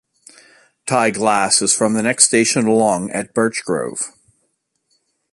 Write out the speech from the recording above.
Ty Glas is from the next station along at Birchgrove.